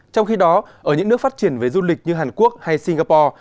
trong khi đó ở những nước phát triển về du lịch như hàn quốc hay singapore